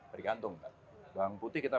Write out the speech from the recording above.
bergantung bawang putih kita